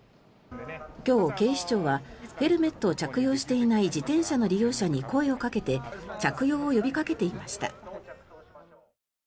今日、警視庁はヘルメットを着用していない自転車の利用者に声をかけて着用を呼びかけていました。